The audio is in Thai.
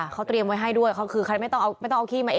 เขาเตรียมไว้ให้ด้วยคือเขาไม่ต้องเอาขี้ให้